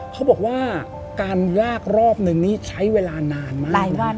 เขาบอกว่าการลากรอบนึงนี่ใช้เวลานานมาก